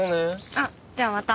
あっじゃあまた。